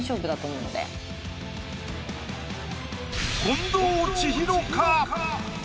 近藤千尋か⁉